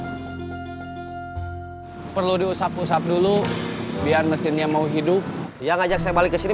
harusnya dia gak saya ajak balik ke sini